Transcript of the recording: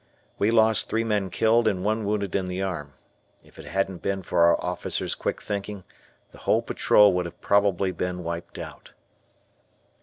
We lost three men killed and one wounded in the arm. If it hadn't been for our officers' quick thinking the whole patrol would have probably been wiped out.